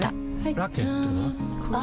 ラケットは？